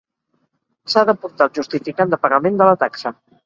S'ha d'aportar el justificant de pagament de la taxa.